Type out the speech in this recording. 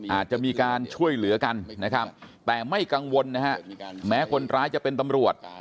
อาจจะมีการช่วยเหลือกันนะครับแต่ไม่กังวลนะฮะแม้คนร้ายจะเป็นตำรวจ